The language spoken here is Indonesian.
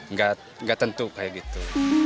nggak tentu kayak gitu